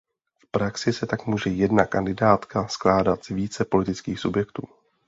V praxi se tak může jedna kandidátka skládat z více politických subjektů.